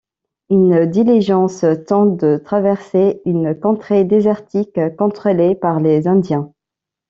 Une diligence tente de traverser une contrée désertique contrôlée par les Indiens.